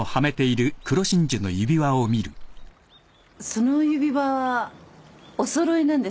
その指輪お揃いなんですか？